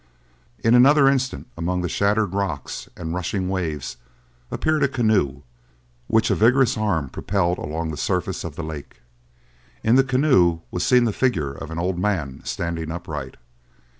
In another instant, among the shattered rocks and rushing waves appeared a canoe, which a vigorous arm propelled along the surface of the lake. In the canoe was seen the figure of an old man standing upright.